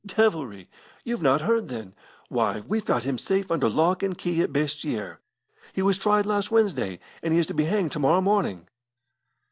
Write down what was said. "Devilry! You've not heard, then? Why, we've got him safe under lock and key at Basseterre. He was tried last Wednesday, and he is to be hanged to morrow morning."